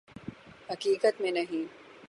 حقیقت میں نہیں